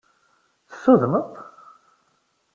Tessudneḍ-t?